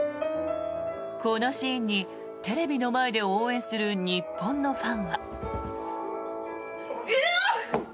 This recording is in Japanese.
このシーンにテレビの前で応援する日本のファンは。